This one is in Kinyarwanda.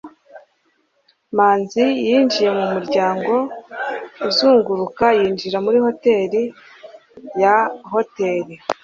manzi yinjiye mu muryango uzunguruka yinjira muri hoteri ya hoteri